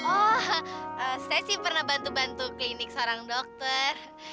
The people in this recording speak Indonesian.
oh saya sih pernah bantu bantu klinik seorang dokter